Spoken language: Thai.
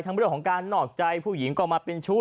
เรื่องของการนอกใจผู้หญิงก็มาเป็นชู้